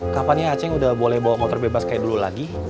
kapan ya acing udah boleh bawa motor bebas kayak dulu lagi